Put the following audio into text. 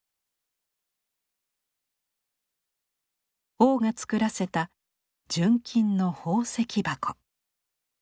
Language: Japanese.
王が作らせた純金の宝石箱。